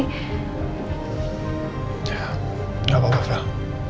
ya gak apa apa fel